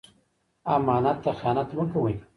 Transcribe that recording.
امانت ته خيانت مه کوئ.